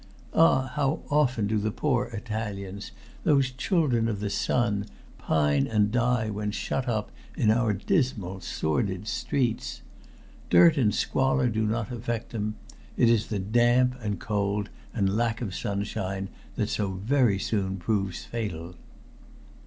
Ah, how often do the poor Italians, those children of the sun, pine and die when shut up in our dismal, sordid streets! Dirt and squalor do not affect them; it is the damp and cold and lack of sunshine that so very soon proves fatal.